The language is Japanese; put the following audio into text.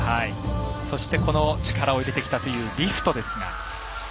そして、この力を入れてきたというリフトですが。